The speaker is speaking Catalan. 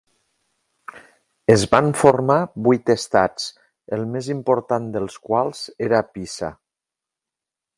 Es van formar vuit estats, el més important dels quals era Pisa.